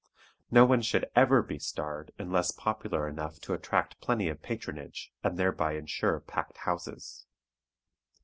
No one should ever be starred unless popular enough to attract plenty of patronage and thereby insure "packed houses."